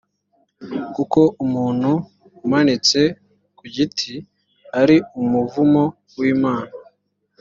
kuko umuntu umanitse ku giti ari umuvumo w’imana.